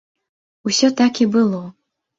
Усё так і было.